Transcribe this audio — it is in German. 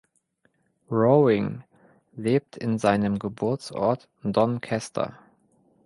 Rowing lebt in seinem Geburtsort Doncaster.